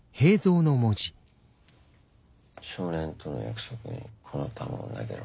「少年との約束にこの球を投げろ。